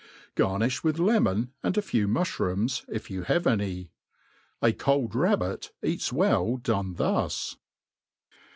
Garnifh with lemon, and a few muflirooms, if you have any, A cold rabbit eats well done thus.